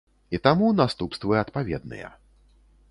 І таму наступствы адпаведныя.